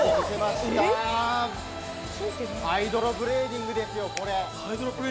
ハイドロブレーディングですよ。